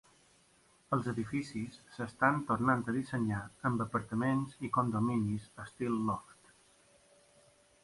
Els edificis estan tornant a dissenyar-se amb apartaments i condominis estil loft.